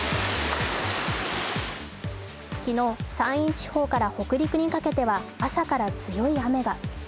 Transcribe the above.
昨日、山陰地方から北陸にかけては朝から強い雨が。